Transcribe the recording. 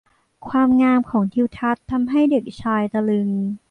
ความงามของทิวทัศน์ทำให้เด็กชายตะลึง